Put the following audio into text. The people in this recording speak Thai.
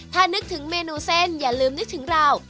ถ้านึกถึงเมนูเส้นอย่าลืมนึกถึงเรา